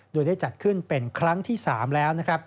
โดยได้จัดขึ้นเป็นครั้งที่๓แล้วนะครับ